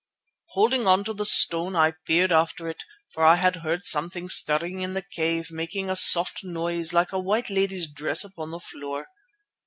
"Holding on to the stone I peered after it, for I had heard something stirring in the cave making a soft noise like a white lady's dress upon the floor.